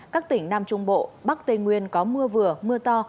các tỉnh nam trung bộ bắc tây nguyên có mưa vừa mưa to